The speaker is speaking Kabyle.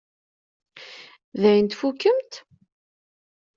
Dayen tfukkemt?